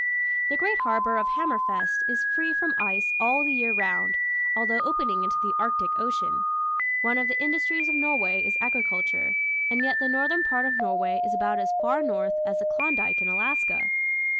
The great harbor of Hammerfest is free from ice all the year round, although open ing into the Arctic Ocean. One of the indus tries of Norway is agriculture, and yet the northern part of Norway is about as far north as the Klondike in Alaska.